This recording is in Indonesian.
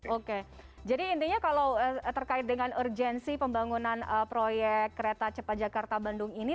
oke jadi intinya kalau terkait dengan urgensi pembangunan proyek kereta cepat jakarta bandung ini